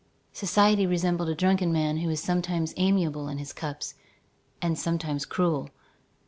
Society resembled a drunken man who is sometimes amiable in his cups, and sometimes cruel.